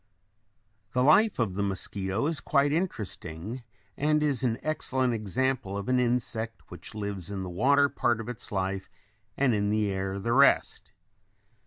] The life of the mosquito is quite interesting and is an excellent example of an insect which lives in the water part of its life and in the air the rest.